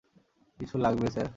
কিছু লাগবে, স্যার।